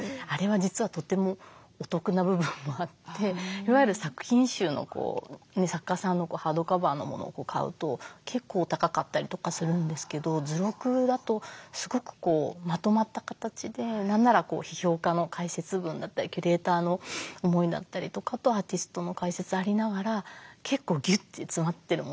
いわゆる作品集の作家さんのハードカバーのものを買うと結構高かったりとかするんですけど図録だとすごくまとまった形で何なら批評家の解説文だったりキュレーターの思いだったりとかあとアーティストの解説ありながら結構ギュッて詰まってるものが見られるので。